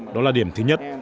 đó là điểm thứ nhất